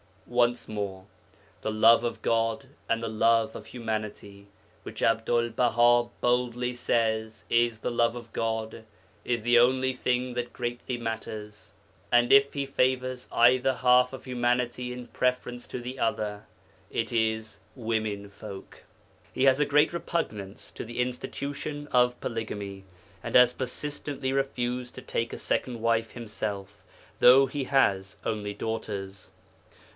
Once more, the love of God and the love of humanity which Abdul Baha boldly says is the love of God is the only thing that greatly matters. And if he favours either half of humanity in preference to the other, it is women folk. He has a great repugnance to the institution of polygamy, and has persistently refused to take a second wife himself, though he has only daughters.